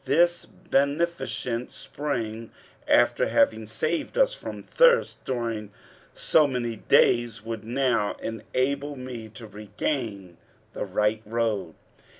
This beneficent spring after having saved us from thirst during so many days would now enable me to regain the right road.